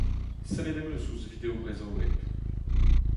Sellet em eus ouzh video Brezhoweb.